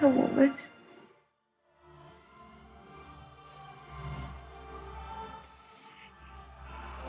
yang ngebuat aku kembali percaya lagi